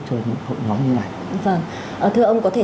cho những hội nhóm như này thưa ông có thể